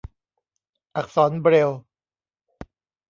อักษรเบรลล์